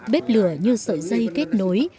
bếp lửa như sợi dây kết nối